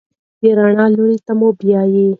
د رڼا لور ته مو بیايي.